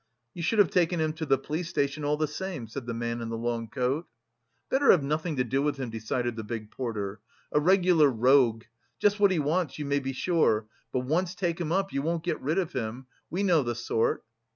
"You should have taken him to the police station all the same," said the man in the long coat. "Better have nothing to do with him," decided the big porter. "A regular rogue! Just what he wants, you may be sure, but once take him up, you won't get rid of him.... We know the sort!"